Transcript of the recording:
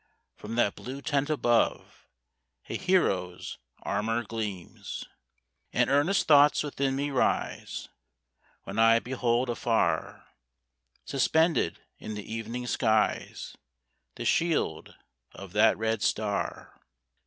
from that blue tent above, A hero's armour gleams. And earnest thoughts within me rise, When I behold afar, Suspended in the evening skies The shield of that red star.